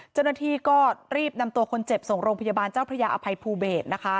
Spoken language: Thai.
เจ้าหน้าที่ก็รีบนำตัวคนเจ็บส่งโรงพยาบาลเจ้าพระยาอภัยภูเบศนะคะ